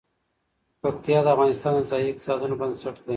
پکتیا د افغانستان د ځایي اقتصادونو بنسټ دی.